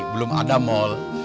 belum ada mall